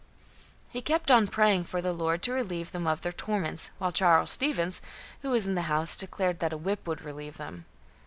He kept on praying for the Lord to relieve them of their torments, while Charles Stevens, who was in the house, declared that a whip would relieve them.